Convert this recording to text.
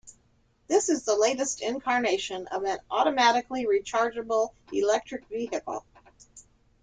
This is the latest incarnation of an automatically rechargeable electric vehicle.